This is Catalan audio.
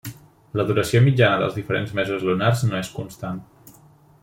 La duració mitjana dels diferents mesos lunars no és constant.